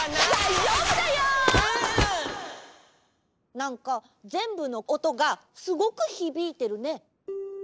なんかぜんぶのおとがすごくひびいてるね！